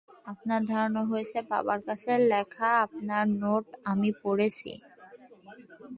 আপনার ধারণা হয়েছে, বাবার কাছে লেখা আপনার নোট আমি পড়েছি।